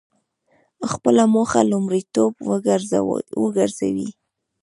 خپله موخه لومړیتوب وګرځوئ.